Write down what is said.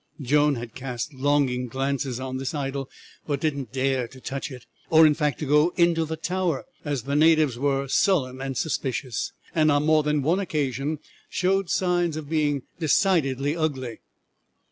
Jones had cast longing glances on this idol, but did not dare to touch it, or in fact to go into the tower, as the natives were sullen and suspicious, and on more than one occasion showed signs of being decidedly ugly.